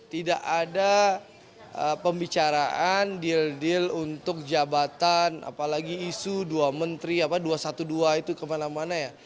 tidak ada pembicaraan deal deal untuk jabatan apalagi isu dua menteri dua satu dua itu kemana mana ya